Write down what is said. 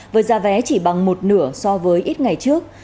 với giá vé chỉ bằng một nửa so với ít ngày trước